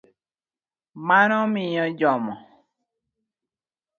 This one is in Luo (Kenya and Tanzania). Mano miyo jomo